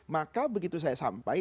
maka begitu saya sampai